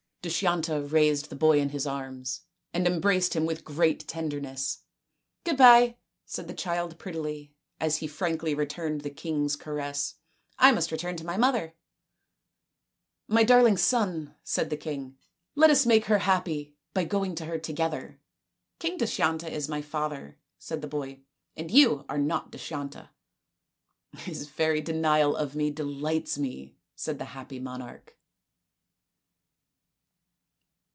Dushyanta raised the boy in his arms and em 252 THE INDIAN STORY BOOK braced him with great tenderness. " Good bye/' said the child prettily, as he frankly returned the king's caress. " I must return to my mother." " My darling son," said the king, " let us make her happy by going to her together." " King Dushyanta is my father," said the boy, " and you are not Dushyanta." " His very denial of me delights me," said the happy monarch.